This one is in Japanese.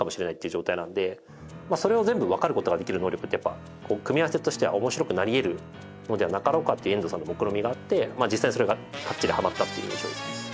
まあそれを全部わかる事ができる能力ってやっぱ組み合わせとしては面白くなり得るのではなかろうかっていう遠藤さんのもくろみがあって実際それがカッチリはまったっていう印象ですね。